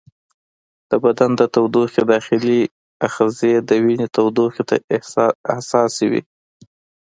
د بدن د تودوخې داخلي آخذې د وینې تودوخې ته حساسې دي.